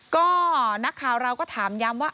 ก็นักข่าวเราก็ถามย้ำว่า